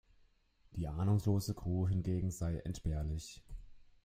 Die ahnungslose Crew hingegen sei entbehrlich.